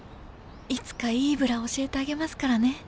いつかいいブラ教えてあげますからね